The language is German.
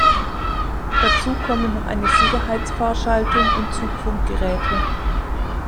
Dazu kommen noch eine Sicherheitsfahrschaltung und Zugfunk-Geräte.